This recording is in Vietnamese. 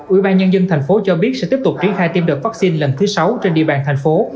ủy ban nhân dân thành phố cho biết sẽ tiếp tục triển khai tiêm đợt vaccine lần thứ sáu trên địa bàn thành phố